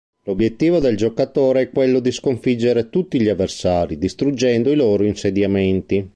L'obiettivo del giocatore è quello di sconfiggere tutti gli avversari, distruggendo i loro insediamenti.